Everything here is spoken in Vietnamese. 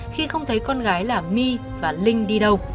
khi không thấy con gái là my và linh đi đâu